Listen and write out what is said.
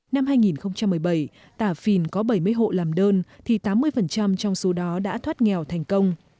năm hai nghìn một mươi bảy tà phìn có bảy mươi hộ làm đơn thì tám mươi trong số đó đã thoát nghèo thành công